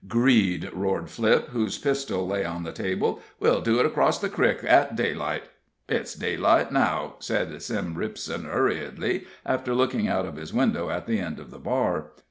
"'Greed!" roared Flip, whose pistol lay on the table. "We'll do it cross the crick, at daylight. "It's daylight now," said Sim Ripson, hurriedly, after looking out of his window at the end of the bar.